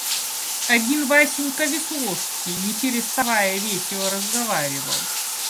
Один Васенька Весловский не переставая весело разговаривал.